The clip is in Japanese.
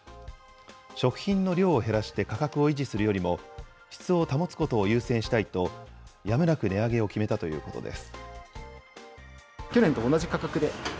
食品の量を減らして価格を維持するよりも、質を保つことを優先したいと、やむなく値上げを決めたということです。